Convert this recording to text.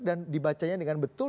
dan dibacanya dengan betul